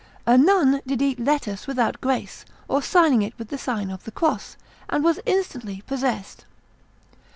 A nun did eat a lettuce without grace, or signing it with the sign of the cross, and was instantly possessed.